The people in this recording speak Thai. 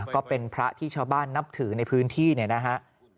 ก็เป็นพระที่ชาวบ้านนับถือในพื้นที่เนี่ยนะฮะ